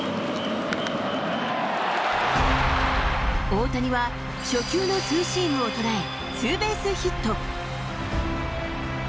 大谷は初球のツーシームを捉え、ツーベースヒット。